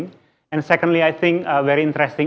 dan kedua saya pikir sangat menarik juga tentang